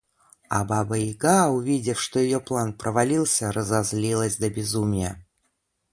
А баба-яга, увидев, что ее план провалился, разозлилась до безумия.